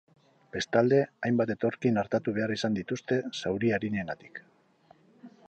Bestalde, hainbat etorkin artatu behar izan dituzte zauri arinengatik.